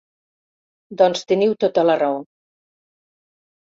Doncs teniu tota la raó.